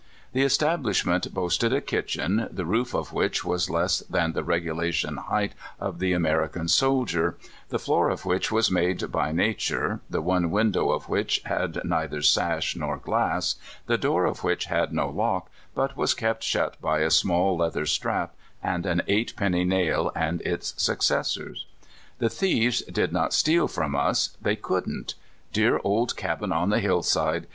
The establish ment boasted a kitchen, the roof of which was less than the regulation height of the American soldier, the floor of which was made by nature, the one window^ of which had neither sash nor glass, the door of which had no lock, but was kept shut by a small leather strap and an eight penny nail and its successors. The thieves did not steal from us — they could n't. Dear old cabin on the hill side